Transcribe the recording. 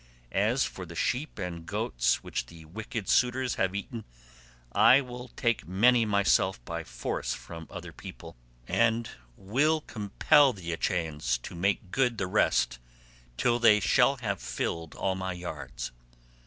As for the sheep and goats which the wicked suitors have eaten, I will take many myself by force from other people, and will compel the Achaeans to make good the rest till they shall have filled all my yards.